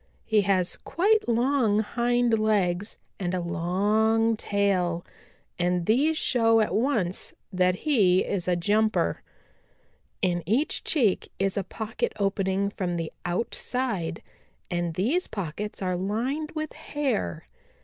He has quite long hind legs and a long tail, and these show at once that he is a jumper. In each cheek is a pocket opening from the outside, and these pockets are lined with hair.